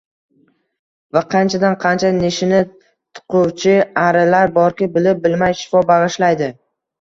Va qanchadan-qancha nishini tiquvchi “ari”lar borki, bilib-bilmay shifo bag’ishlaydi